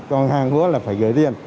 còn hàng quá là phải gửi tới anh